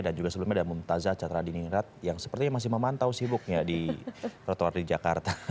dan juga sebelumnya ada bumtazah chatradini ngarat yang sepertinya masih memantau sibuknya di trotoar di jakarta